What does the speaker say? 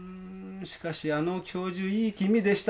しかしあの教授いい気味でしたね。